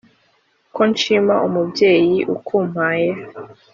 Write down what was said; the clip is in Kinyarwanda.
Ko nshima umubyeyi ukumpaye